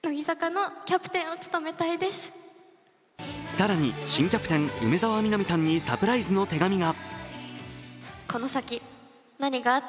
更に新キャプテン・梅澤美波さんにサプライズの手紙が。